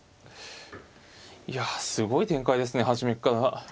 いやすごい展開ですね初めっから。